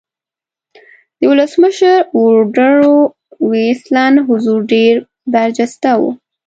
د ولسمشر ووډرو وېلسن حضور ډېر برجسته و